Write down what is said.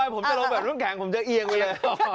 ถ้าผมลงไปผมจะลงแบบรุ่งแข็งผมจะเอียงไปเลย